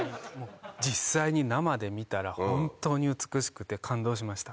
実際に生で見たら本当に美しくて感動しました。